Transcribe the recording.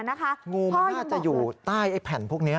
งูมันน่าจะอยู่ใต้แผ่นพวกนี้